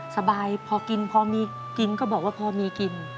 สบายพอกินพอมีกินก็บอกว่าพอมีกิน